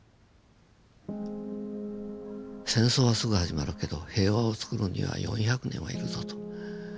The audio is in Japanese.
戦争はすぐ始まるけど平和をつくるには４００年は要るぞと。